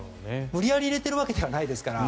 無理やり入れているわけではないですから。